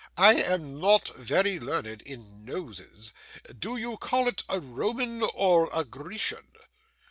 I am not very learned in noses. Do you call it a Roman or a Grecian?